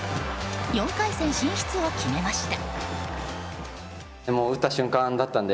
４回戦進出を決めました。